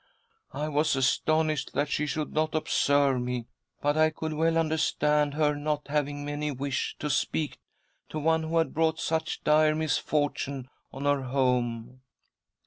I was astonished ______, n6 THY SOUL SHALL BEAR WITNESS! that she should not observe me, but I could well understand her not having any wish to speak to one who had brought such dire misfortune on her home.